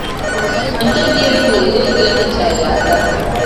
nke ga-ewe oge etochàghị aka